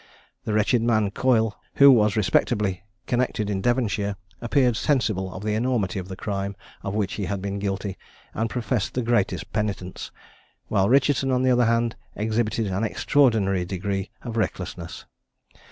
The wretched man Coyle, who was respectably connected in Devonshire, appeared sensible of the enormity of the crime of which he had been guilty, and professed the greatest penitence; while Richardson, on the other hand, exhibited an extraordinary degree of recklessness.